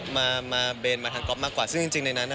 มามาเบนมาทางก๊อฟมากกว่าซึ่งจริงในนั้นอ่ะ